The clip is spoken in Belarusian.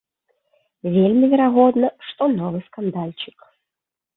Вельмі верагодна, што новы скандальчык.